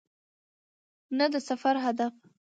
نه د سفر هدف .